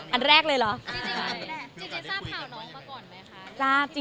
อันแรกเลยหรอ